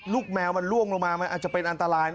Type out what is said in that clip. แมวมันล่วงลงมามันอาจจะเป็นอันตราย